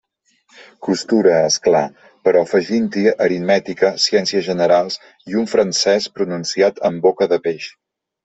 Costura, és clar, però afegint-hi aritmètica, ciències generals, i un francés pronunciat amb boca de peix.